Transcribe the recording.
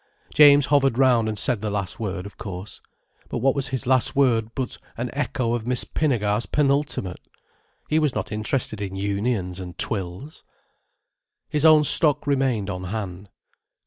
James hovered round and said the last word, of course. But what was his last word but an echo of Miss Pinnegar's penultimate! He was not interested in unions and twills. His own stock remained on hand.